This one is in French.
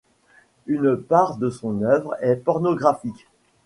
Une part de son œuvre est pornographique.